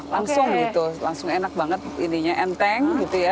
langsung gitu langsung enak banget ininya enteng gitu ya